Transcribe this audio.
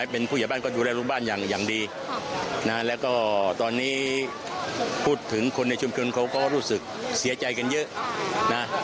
พูดถึงคนในชุมชนเขาก็รู้สึกเสียใจกันเยอะนะ